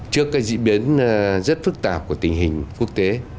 trước cái diễn biến rất phức tạp của tình hình quốc tế